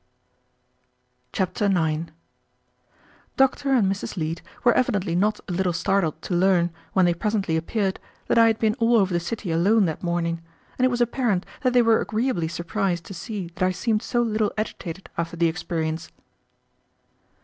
Chapter 9 Dr. and Mrs. Leete were evidently not a little startled to learn, when they presently appeared, that I had been all over the city alone that morning, and it was apparent that they were agreeably surprised to see that I seemed so little agitated after the experience.